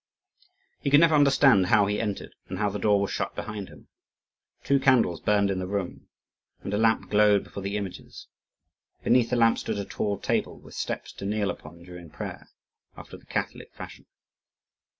He could never understand how he entered and how the door was shut behind him. Two candles burned in the room and a lamp glowed before the images: beneath the lamp stood a tall table with steps to kneel upon during prayer, after the Catholic fashion.